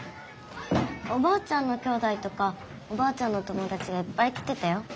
おばあちゃんのきょうだいとかおばあちゃんの友だちがいっぱい来てたよ。